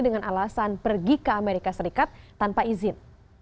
dengan alasan pergi ke amerika serikat tanpa izin